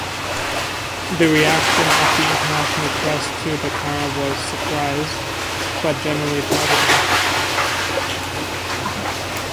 The reaction of the international press to the car was surprised but generally positive.